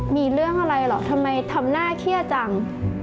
มีเรื่องอะไรเหรอทำไมทำหน้าเครียดจัง